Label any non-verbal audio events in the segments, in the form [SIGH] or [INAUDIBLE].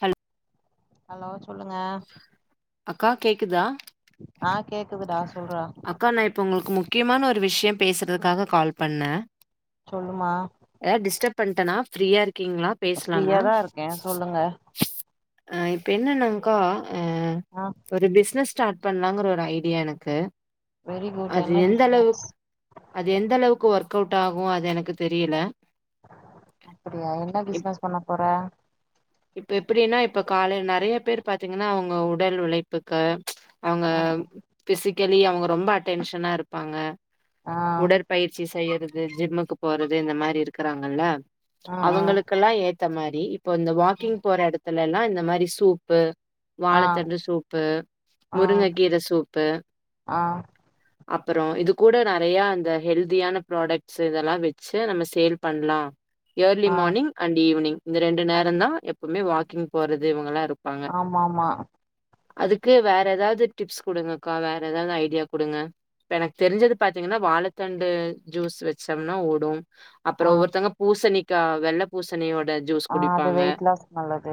Hello hello சொல்லுங்க அக்கா கேக்குதா ஆ கேக்குதுடா சொ அக்கா நா இப்ப உங்களுக்கு முக்கியமான ஒரு விஷயோ பேசுறதுக்காக கால் பண்ணே சொல்லுமா பண்டனா ப்ரீயா இருக் ப்ரீயாதா இருக்கே சொல்லுங்க ஆ இப்ப என்னன்னங்க்கா ஆ ஆ ஒரு பிசினஸ் ஸ்டாட் பண்ணலாங்கற ஒரு ஐடியா எனக்கு வெரி குட் அது என்ன எந்த பிசினஸ் அளவுக்கு அது எந்த அளவுக்கு ஒர்க் கோட்டாக் ஒ அது எனக்கு தெரியல அப்படியா என்ன பிசினஸ் பண்ண போற இப்ப எப்டின்னா இப்ப காலயில நெறய பேர் பாத்தீங்கனா அவுங்க உடல் உழைப்புக்கு அவுங்க ம் ம். பிசி கெலி அவுங்க ரொம்ப அடென்ஷனா இருப்பாங்க ஆ உடற்பயிற்சி செய்யறது ஜிம்முக்கு போறது இந்த மாதிரி இருக்குறாங்கல்ல ம் ம் அவுங்களுக்கெல்லா ஏத்த மாரி இப்ப இந்த வா க்கிங் போற எடத்து எல்லா இந்த மாரி சூப்பு ஆ வாழத்தண்டு சூப்பு ஆ முருங்கக்கீர சூப்பு ஆ அப்பறோ இது கூட நெறய அந்த ஹெல்தியான ப்ராடக்ஸ் இதல்லா வச்சு நம்ம சேல் பண்ணலா early ah morning and evening இந்த ரெண்டு நேரந்தா எப்பவுமே வாக்கிங் போறது இவங்கலா இருக்கு ஆமாம்மா அதுக்கு வேற ஏதாவது டிப்ஸ் குடுங்கக்கா வேற ஏதாவது ஐடியா குடுங்க இப்ப எனக்கு தெரிஞ்சது பாத்தீங்கனா வாழத்தண்டு ஜூஸ் வச்சம்னா ஓடும் ஆ அப்றோ ஒவ்வொருத்தவங்க பூசணிக்க கா வெள்ள பூசணி மட்டு ஜூஸ் ஆ அது குடிப்பாங்க வெயிட் லாஸ் நல்லது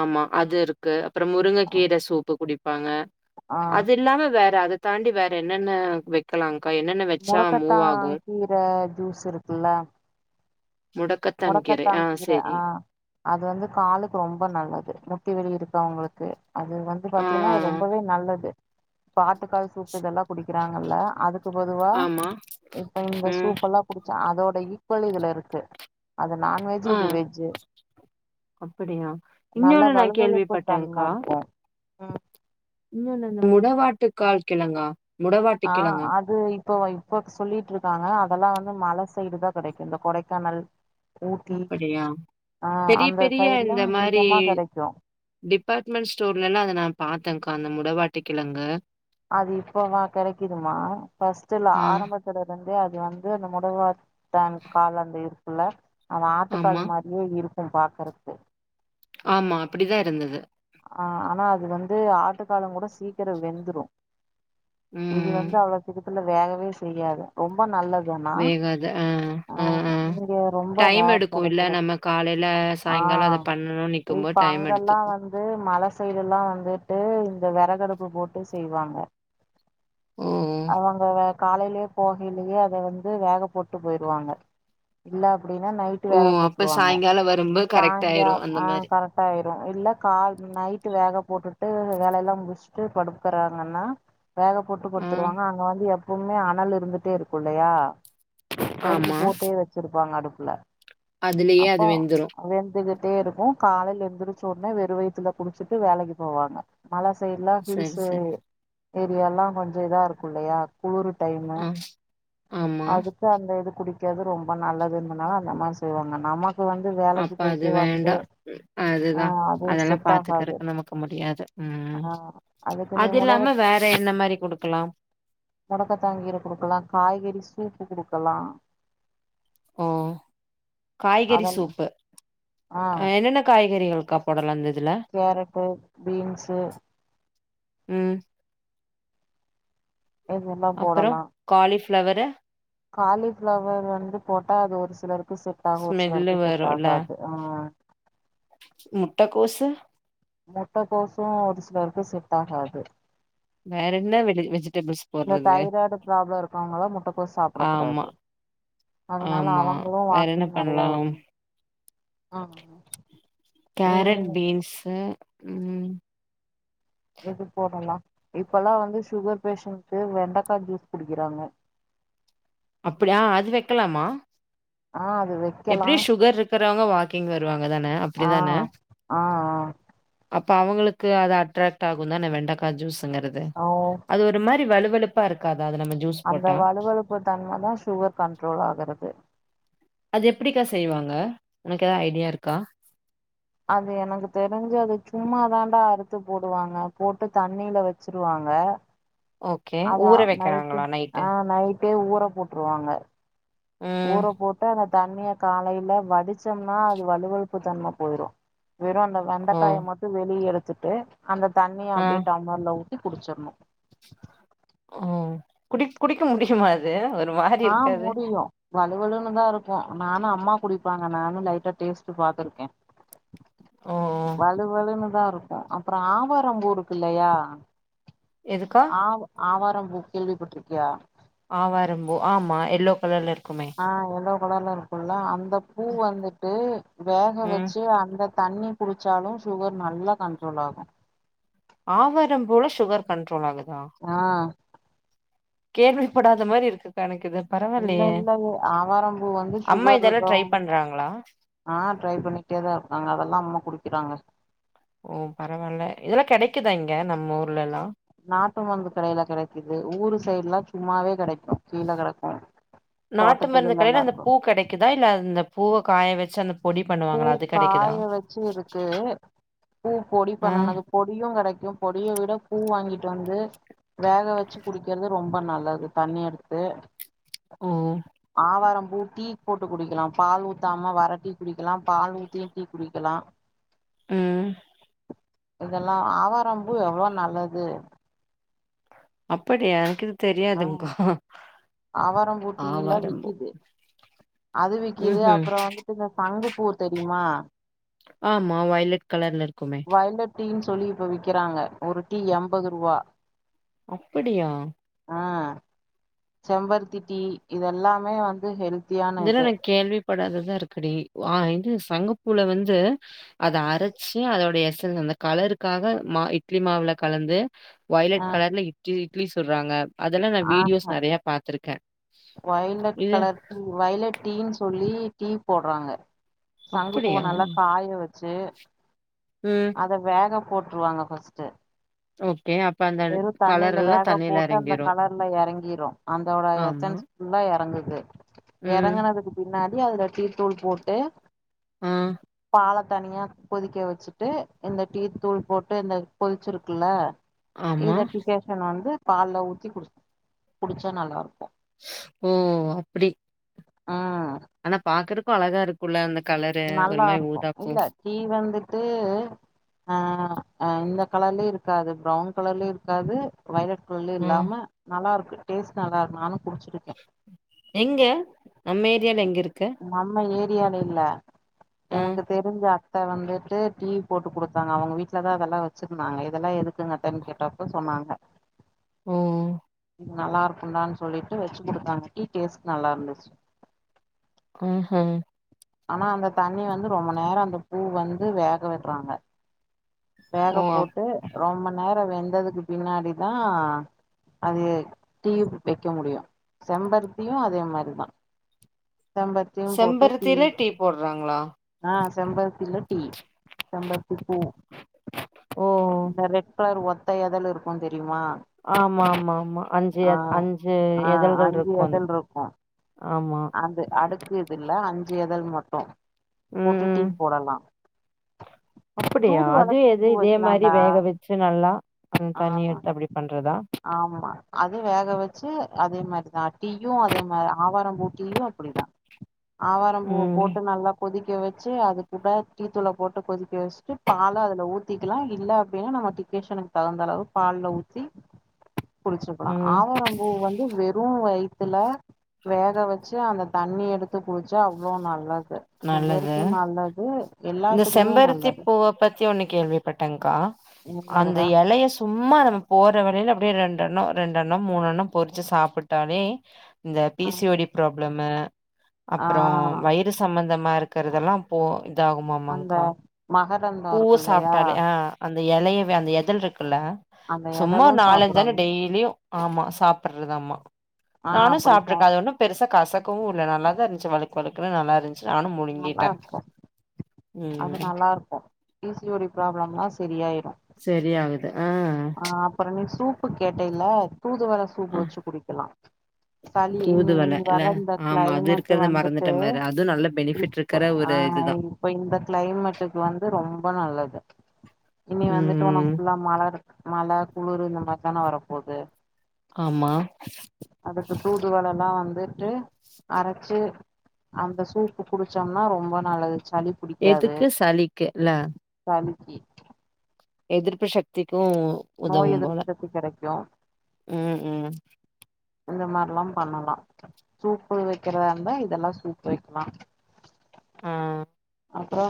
ஆமா அது இருக்கு அப்ற முருங்கக்கீர சூப்பு குடி பாங்க ஆ அது இல்லாம வேற அது தாண்டி வேற என்னென்ன வைக்கலாங் மொடக்கத்தா கீர ஜூஸ் இருக்குல்ல முடக்கத்தான் கீரை முடக்கத்தா ஆ கீர செரி ஆ அது வந்து காலுக்கு ரொம்ப நல்லது முட்டி வலி இருக்கவங்களுக்கு அது வந்து ஆ, ஆ, பாத்தீன்னா அது ஆ. ரொம்பவே நல்லது. இப்ப ஆட்டுக்கால் சூப்பு இதல்லா குடி க்கிறாங்கல்ல அது க்கு பதுவா ஆமா. இப்ப இந்த ம். சூப்பல்லா குடிச்சா அதோட ஈ க்வல் இதுல இருக்கு அது நான்வெஜ்ஜு ஆ இது வெஜ்ஜு அப்படியா? நல்ல இன்னொன்னு நான் வழுவழுப்பு தன்ம கேள்விப்பட்டேன்க்கா. இருக்கு ம் இன்னொன்னு என்ன முடவாட்டுக்கால் கிழங்கா முடவாட்டு ஆ கிழங்கா? அது இப்போ இப்போ சொல்லிட்ருக்காங்க அ தெல்லா வந்து மல சைடுதா கெடைக்கு இந்த கொடைக்கானல் ஊட்டி அப்பிடியா ஆ பெரிய அந்த பெரிய சைட்லா இந்த மாரி அதிகமா கெடைக்கு டிபார்ட்மெண்ட் ஸ்டோர்லல்லா அத நா பாத்தேங்க்கா அந்த மு டவாட்டுக் கிழங்க அது இப்பவா கெடைக்குதுமா ஆ, து அது வந்து அந்த முடவாட்டுத்தான் கால அந்த இருக்குல்ல அது ஆமா. ஆட்டுக்கால் மாரியே இரு க்கு பாக்கறதுக்கு ஆமா அப்டிதா இருந்தது ஆ ஆனா அது வந்து ஆட்டுக்காலுங் கூட சீக்கிர வெந்துரு இது ம். வந்து அவ்ளோ சீக்கி ரத்துல வேகவே செய்யாது ரொம்ப நல்ல வேகாது ஆ ஆ ஆ இங்க ரொம்ப டைம் ரேர் எடுக்கு இல்ல கெடைக்கிறது நம்ம காலைல ஆ சாயங்கால அத பண்ணணுன் நிக்கிம்போது டைம் எடுத்துக்கு இது மல சைடு எல்லா வந்துட்டு இந்த வெறகடுப்பு போட்டு செய்வாங்க ஓ! அவுங்க வெ காலைலயே போகயிலயே அத வந்து வேக போட்டு போயிருவாங்க இல்ல அப்டின்னா நைட்டு ஓ! வேக அப்ப போட்ருவாங்க சாயங்காலம் வரும்போது கரெக்ட் சாயங்கா ஆயிரும் அந்த ஆ மாரி. கரெக்ட் ஆயிரு இல்ல நைட்டு வேக போட்டுட்டு வேல எல்லா முடிச்சுட்டு படுக்கறாங்கன்னா வேக போட்டு ஆ, குடுத்துருவாங்க அங்க வந்து எ ப்பமுமே அனல் இருந்துட்டே இருக்கு இல்லயா நெருப்பு போட்டே வச்சிருப்பாங்க அடுப் ல அதுலேயே அது வெந்துரு இருக்கு காலேயில ஏந்திரிசோன வெறு வயித்ல குடிச்சுட்டு வேலைக்கு போவாங்க மல சைடுலா சரி, ஹீல்ஸு சரி. ஏரியால்லா கொஞ்ச இதா இருக்கு இல்லையா குலுறு டைமு ஆ, ஆமா. அதுக்கு அந்த இது குடி க்கது ரொம்ப நல்லதுனால அந்த மாரி செய்வாங்க நமக் அப்ப அது வேண்டா அது ஆ அது அதெல்லா செட் ஆகாது பாத்துக்கறக்கு நமக்கு முடியாது உம் ஆ அதுக்கு நீ அது முடவ இல்லாம வேற என்ன மாரி குடுக்கலா த்து குடுக்கலா ஓ காய்கறி அதெல்லா சூப்பு ஆ என்னென்ன காய்கறிகள் இருக்கப்படலந்தது [UNINTELLIGIBLE] கேரட்டு பீன்ஸு உம் எது எல்லா போடலா பிளவரு காலிபிளவர் வந்து போட்டா அது ஒரு சிலருக்கு செட் ஆகு ஒரு ஸ்மெல்லு சிலருக்கு செட் வரும்ல. ஆகாது உம் முட்டக்கோசு முட்டகோசு ஒரு சிலருக்கு செட் ஆகாது வேற என்ன வெ வெஜிடபிள்ஸ் இந்த போடுறது தைராய்டு ப்ராப்ளம் இருக்கவங்களா முட்டக்கோஸ் சாப்டக் கூடாது அதனால ஆமா-ஆமா அவங்களு வேற என்ன வாக்கிங் நெறையா பண்ணலாம் வருவாங் ஆ நீ கேரட் பீன்ஸு உம் எது போடலா இப்பல்லா வந்து சுகர் பேஷண்டு வெண்டக்கா ஜூஸ் குடிக்குறாங்க அப்டியா அது வெக்கலாமா ஆ அது வெக்கலா எப்டிய சுகர் இருக்கிறவங்க வாக்கிங் வருவாங்க தான அப்டி ஆ தான ஆ ஆ அப்ப அவுங்களுக்கு அது அட்ராக்ட் ஆகுந்தான வெண்டக்கா ஜூஸு ங்கிறது ஓ அது ஒரு மாரி வலுவ வெழுப்பா இருக்காது அந்த வலுவலுப்பு தன்ம தா சுகர் கண்ட்ரோல் ஆகுறது அது எப்டிக்கா செய்வாங்க ஒனக்கு ஏதாவது ஐடியா இருக்கா அது எனக்கு தெரிஞ்சு அது சும்மா தாண்டா அறுத்து போடுவாங்க போட்டு தண்ணில வச்சிருவாங்க ஓகே ஊற அதான் நைட்டு வெக்கிறாங்களா ஆ நைட்டே ஊற போட்டுருவாங்க ம் ஊற போட்டு தண்ணிய காலையில வடிச்சோம்னா அது வலுவலுப்பு தன்மை போயிரும் வெறும் அந்த ஓ வெந்தைக்காய மட்டும் வெளிய எடு த்துட்டு அந்த தண்ணிய ஆ அப்டியே டம்மளார்ல ஊத் தி குடிச்சிடணும் ம் குடி குடிக்க முடிக்குமா இது ஆ முடியும் வலுவலுன்னு தான் இருக் கும் நானும் அம்மா குடிப்பாங்க நானும் லைட்டா டேஸ்ட்டு பாத்துருக்கேன் ஓ ஓ வலுவலுன்னு தான் இருக் அப்புறம் ஆவாரம் பூ இருக்கு இல்லையா எதுக்கா ஆவ் ஆவார் ஆவாரம் பூ கேள்விப்பட்டுருக்கியா ஆவாரம்பூ ஆமா எல்லோ கலர்ல இருக் ஆ எல்லோ கலர்ல இருக்குள்ள அந் த பூ வந்துட்டு வேக ம் வச்சு அந்த தண்ணி குடிச்சாலும் சுகர் நல்லா கண்ட்ரோல் ஆகும் ஆவாரம் பூ ல சுகர் கண்ட்ரோல் ஆகுது ஆ கேள்விப்படாத மாதிரி இருக்கு கா எனக்கு இது இல்ல பரவாயில்லையே இல்லங்க ஆவாரம்பூ வந்து அம்மா சுகர் இதெல்லா ட்ரை இருக்கவுங்க பண்றாங்களா ஆ ட்ரை பண்ணிட்டே தான் இருக்காங்க அதெல்லாம் அம்மா குடிக்கிறாங்க ஓ பரவாயில்ல இதெல்லாம் கிடைக்குதா இங்க நம்ம ஊர்லல்லா நாட்டு வந்து கடையில கெடைக்குது ஊரு சைடு எல்லாம் சும்மாவே கெடைக்கு கீழ கெடக்கு நாட்டு மருந்து தோட்டத்துக்குள்ள எல்லா கடையில அந்த இருக்கு பூ கெடைக்குதா இல்ல அந்த பூவை காய வச்சு அந்த பொடி பூ பண்ணுவாங்களா அது கெடைக்குதா காய வச்சும் இருக்கு பூ பொடி ஆ பண்ணனது பொடியும் கெடைக்கும் பொடிய விட பூ வாங்கிட்டு வந்து வேக வச்சு குடிக்கிறது ரொம்ப நல்லது தண்ணி எடுத்து ஓ ஆவாரம் பூ டீ போட்டு குடிக்கலா பால் ஊத்தாம வற டீ குடிக்கலா பால் ஊத்தியு டீ குடிக்கலா ம் இதெல்லாம் ஆவாரம்பூ எவ்ளோ நல்லது அப்படியா எனக்கு இது ஆ தெரியாதுங்க்கா ஆவாரம்பூ டீ எல்லா ஆவாரம்பூ வி்க்கிது அது ம் வி்க்கிது ம் அப்றோ வந்துட்டு இந்த சங்கு பூ தெரியுமா ஆமா வயலெட் கலர்ல இரு வயலெட் டீன்னு சொல்லி இப்ப விக்கிறாங்க ஒரு டீ எம்பதுருவா அப்பிடியா ஆ செம்பருத்தி டீ இதெல்லாமே வந்து ஹெல் இதெல்லா நா கேள்வி படாததா இருக்குடி ஆ இது சங்குப்பூல வந்து அத அரைச்சு அதோ டய எஸ்ஸென் அந்த கலருக்காக மா இட்லி மாவுல கலந்து வயலட் ஆ கலர்ல இட்லி சுட்றாங்க அதல்லா நா ஆஹா வீடியோஸ் நெறைய பாத்திருக்கே வயலட் இது கலர் டீ யின்னு சொல்லி டீ போட்றாங்க சங்குப்பூவ அப்படியா? நல்லா காய வச்சு ம். அத வேக போட்ருவாங்க ஃபஸ்ட்டு ஓகே அ வெறு தண்ணில வேக போட்டு அந்த கலர்ல எறங்கிரு அதோட ஆமா. எசன்ஸ் புல்லா எறங்கு து ம். எறங்கனதுக்கு பி ன்னாடி அதுல டீத்தூள் போட்டு ம் பால தனியா கொதிக்க வச்சுட்டு இந்த டீத்தூள் போட்டு இந்த கொதிச்சிருக்கில்ல ஆமா. இத டிக்காஷன் வந்து பால்ல ஊத்தி குடிச் குடிச்சா நல்லா இருக்கு ஓ அப்டி ஆ அழகா இருக்குல்ல நல்லா இருக்கு இல்ல டீ வந்துட்டு அ இந்த கலர்லயு இருக்காது ப்ரவுன் கலர்லயு இருக்காது வய்லட் ள்ள ம். இல்லாம நல்லா இருக்கு டேஸ்ட் நல்லா இரு நானு குடிச்சிருக்கே எங்க நம்ம ஏரியால எங்க இருக்கு நம்ம ஏரியால இல்ல ஆ. எனக்கு தெரிஞ்சா த்த வந்துட்டு டீ போட்டு குடுத்தாங்க அவுங்க வீட்டுலதா அதெல்லா வச்சிருந்தாங்க இதெல்லா எதுக்குங்கத்தன்னு கேட்டப்ப சொன்னாங்க ஓஓ நல்லா இருக்கும்டான்னு சொல்லிட்டு வச்சு குடுத்தாங்க டீ டேஸ்டு நல்லா இருந்துச்சு ஆஹு ஆனா அந்த தண்ணி வந்து ரொம்ப நேரோ அந்த பூ வந்து வேக விடுறாங்க வேக ஓ! போட்டு ரொம்ப நேரோ வெந்ததுக்கு பின்னாடிதா அது டீ வெக்க முடியு செம்பருத்தியு அதே மாரிதா செம்பருத்தியு போட்டு செம்பருத்தில டீ போடுறாங்ளா செம்பரித்தில டீ செம்பரத்தி பூ ஓ தரே ஒத்த இதழு இருக்கு தெ ஆமா ஆமா ஆமா அஞ்சு ஆ அஞ்சு ஆ எதழ்கள் அஞ்சு இருக்கு எதழ் இருக்கு ஆமா அது அடுக்கு இது இல்ல அஞ்ச அஞ்சு எதல் மட்டு போட்டு டீ போடலா அப்டியா தூதுவள அது எது சூப்பு இதே மாரி வெக்கலான்டா வேக வச்சு நல்லா ஆ தண்ணி எடுத்து அப்டி பண்றதா ஆமா அது வேக வச்சு அதே மாரிதா டீயு அதே மாரி ஆவாரம்பூ டீயு அப்டிதா ஆவாரம் பூவ ம் போட்டு நல்லா கொதிக்கி கொதிக்க வச்சு அது கூட டீ தூள போட்டு கொதிக்க வச்சுட்டு பால அதுல ஊத்திக்கலா இல்ல அப்டின்னா நம்ம டிக்கேஷனுக்கு தகுந்த அளவு பால்ல ஊத்தி குடிச்சிக்கலா ம் ஆவரம்பூ வந்து வெறும் வ அதுல வேக வச்ச ச்சி அந்த தண்ணி எடுத்து குடிச்சா அவ்ளோ நல்ல நல்லது இந்த எல்லாத்துக்குமே செம்பருத்தி நல்லது பூவ பத்தி ஒன்னு கேள்விப்பட்டங்கா அந்த என்னதுடா எலைய சும்மா நம்ம போற வழியில அப்பிடியே ரெண் டெண்னோ ரெண்டெண்ணம் மூணெண்ணம் பொறிச்சி சாப்பிட்டாலே இந்த ம் பிசிஓடி ப்ராப்ளம் ஆ அப்புறோ வயிறுஸ் சம்மந்தமா இருக்கறதெல்லா போ அந்த இதகுமமாங்க்கா மகரந்தோ பூவ இருக்கு இல்லையா சாப்ட்டாலா ஆ அந்த எலையவே அந்த எதல் இருக் குல்ல அந்த சும்மா எதலு ஒரு நாலஞ்சான சாப்பிடணு டெய்லியு ஆமா சாப்பறதமா ஆ நானு அப்டி சா சாப்புட்டுருக்கே அது ஒண்ணு பெருச கச குவுல்ல நல்லா தா இருந்துசி வலுக்கு வலுக்குனு நல்லா இருந்ச்சி நல்லா இருக்கு அது ம் நல்லா இருக்கு சிஓடி ப்ராப்ளம்ளா சரியாயி சரி ஆகுது ஆ ஆ அப்புற நீ சூப் ப்பு கேட்டேல்ல தூதுவள சூப்பு ஆ வச்சி குடிக்கலா களி இன் இன் தூதுவள இல்ல வர இந்த ஆமா அது கிளைமெட்டு இருக்கறத வந்துட்டு மறந்துட்டே பாரு அதுவு நல்ல பெனிஃபிட் இப்போ இருக்கற ஆ ஒரு இதுதா இப்ப இந்த கிளைமெட்டுக்கு வந்து ரொம்ப நல்லது இனிமே வந்துட்டு உனக்கு ம் ஃபுல்லா மழ இரு மழ குளிர் இந்த மாரிதான வரப்போது ஆமா தூதுவளல்லா வந்துட்டு அரைச்சி அந்த சூப்பு குடிச்சோம்னா ரொம்ப நல்லது சளி புடிக்காது எதுக்கு சளிக்கு இல்ல கி எதிர்பு சக்திக் க்கு நோய் உதவும் போல எதிர்ப்பு சக்தி கெடைக்கு ம் ம் இந்த மாரில்லா பண்ணலா சூப்பு வைக்கிறதா இருந்தா இதெல்லா சூப்பு வைக்கலா ஆ அப்புறோ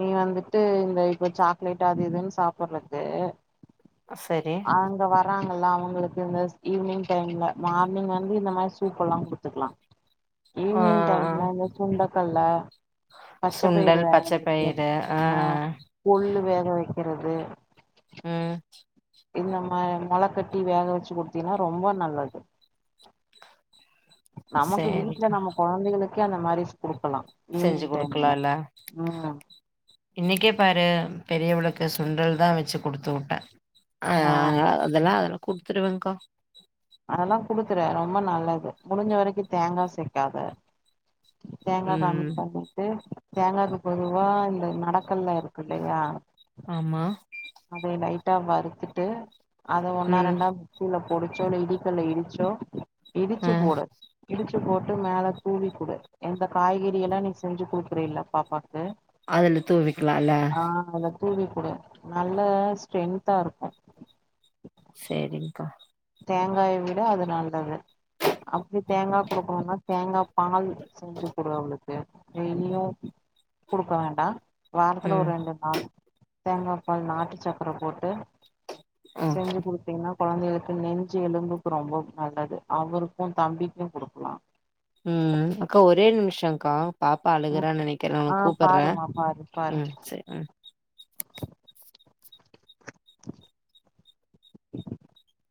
நீ வந்துட்டு இந்த இப்போ சாக்லேட் அது இதுன்னு சாப்பறது சரி அங்க வராங் ல்லா அவுங்களுக்கு இந்த ஈவினிங் டைம்ல மார்னிங் வந்து இந்த மாரி சூப்ல்லா குடுத்துக்கலா ஆ ஈவ்னிங் ஆ டைம்ல இந்த சுண்டல் க்கல்லா பச்சப்பயிர் சுண்டல், வேக பச்ச வைக்க பயிறு ஆ கொள்ளு வேக வைக் இருக்கிறது ம் இந்த மா மோள கட்டி வேக வச்சு குடுத்தீன்னா ரொம்ப நல்லது நமக்கு வீட்டுல சேரிக்கா நம்ம குழந்தைகளுக் க அந்த மாரிஸ் கொடு செஞ்சு கொடுக்கலால ம் இன்னைக்கே பாரு பெரியவளுக் கு சுண்டல் தா வச்சு கொடுத்து விட்டே ஆ அதெல்லா அதெல்லா குடுத்திருவேங்கா அதெல்லா குடுத்துரு ரொம்ப நல்லது முடிஞ்ச வரைக்கு தேங்கா சேக்காத தேங்கா கம்மி ம் பண்ணிட்டு தேங்காயக்கு பொதுவா இந்த நடக்கல்ல இருக்கு இல்லையா ஆமா அதை லைட்டா வருறுத்துட்டு அத ஒன்னா ம் ரெண்டா [UNINTELLIGIBLE] பொடிச்சோ இல்ல இடிகல்ல இடிச்சோ ஆ இடிச்சு போட இடிச் ச்சி போட்டு மேல தூவிகுடு எந்த காய்கறிலொல்லா நீ செஞ்சு கொடுக்குறல்ல பாப்பா அதுல தூவிக்கலால அதுல தூவி கூடு நல்ல ஸ்ட்ரென்தா இருக்கு சேரிங்கா தேங்காயை விட அது நல்லது அப்படி தேங்காய விட அது அப்படி தேங்கா குடுக்கணும்னா தேங்கா பால் செஞ்சு கொடு அவளுக்கு டெய்லியு குடுக்க வேண்டா வாரத்துல ம் ஒரு ரெண்டு நாள் தேங்காபால் நாட்டு சக்கர போட்டு ஓ செஞ்சு கொடுத்தீங்கன்னா கொழந்தைகளுக் க்கு நெஞ்சு எலும்புக்கு ரொம்ப நல்லது அவருக்கும தம்பிக்கு கொடுக்கலா ம் அக்கா ஒரே நிமிஷம்க்கா பாப்பா அழுகுறான்னு நினைக்கிறே நா உன்ன ஆ கூப்பிடுறே பாருமா பாரு பாரு ம் சேரி ம் [INAUDIBLE]